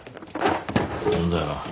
何だよ。